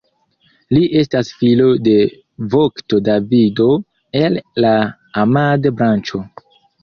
Li estas filo de vokto Davido el la Amade-branĉo.